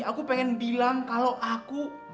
aku pengen bilang kalau aku